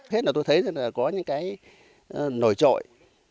hết là tôi thấy là có những cái nổi trội